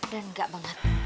dan enggak banget